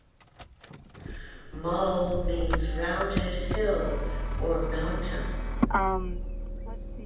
Mull means rounded hill or mountain.